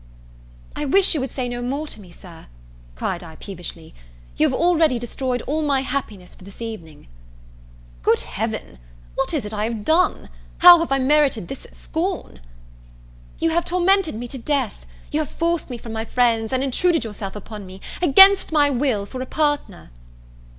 "I wish you would say no more to me, Sir," cried I peevishly; "you have already destroyed all my happiness for this evening." "Good Heaven! What is it I have done? How have I merited this scorn?" "You have tormented me to death; you have forced me from my friends, and intruded yourself upon me, against my will, for a partner."